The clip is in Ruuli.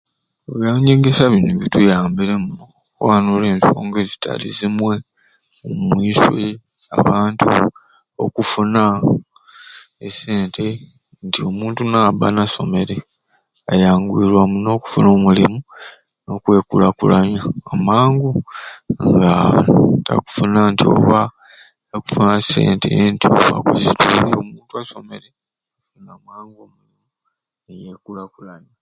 Ebyanyegesya bini bituyambire muno kubanga ololeera ensonga ezitalu zimwe omwiswe abantu okufuna e sente omuntu nti nabba nga asomere ayanguiribwa muno okufuna omulimu n'okwekulaakulanya amangu nga takufuna nti oba takufuna sente nti tiyasomere amangu niyekulakulanya.